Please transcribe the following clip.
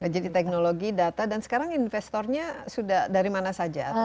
jadi teknologi data dan sekarang investornya sudah dari mana saja